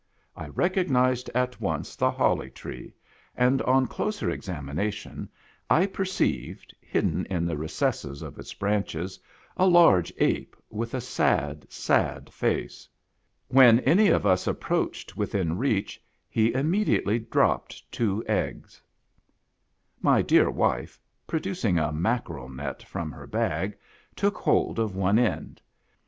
1 recognized at once the Holly Tree, and on closer examination I perceived, hidden in the recesses of its branches, a large ape, with a sad, sad face. When any of us approached within reach, he imme diately dropped two eggs. My dear wife, producing a mackerel net from her bag, took hold of one end.